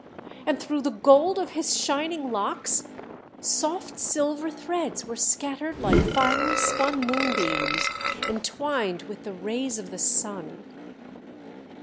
And through the gold of his shining locks, soft silver threads were scattered like finely spun moonbeams entwined with the rays of the sun.